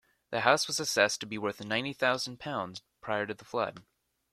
The house was assessed to be worth ninety thousand pounds prior to the flood.